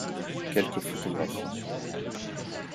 Quelques photographies.